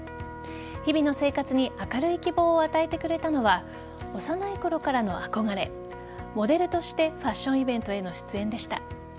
日々の生活に明るい希望を与えてくれたのは幼いころからの憧れモデルとしてファッションイベントへの出演でした。